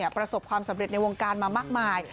ประสบความสำเร็จในวงการมามากมาย